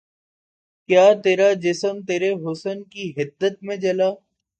کیا ترا جسم ترے حسن کی حدت میں جلا